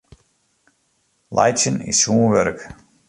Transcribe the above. Laitsjen is sûn wurk.